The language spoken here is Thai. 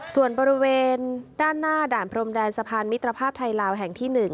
ส่วนบริเวณด้านหน้าด่านพรมแดนสะพานมิตรภาพไทยลาวแห่งที่๑